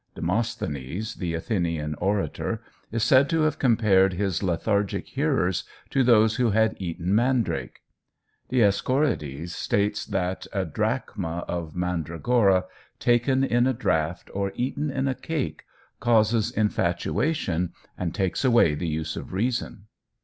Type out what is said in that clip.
Demosthenes, the Athenian orator, is said to have compared his lethargic hearers to those who had eaten mandrake. Dioscorides states that "a drachm of mandragora taken in a draught, or eaten in a cake, causes infatuation, and takes away the use of reason."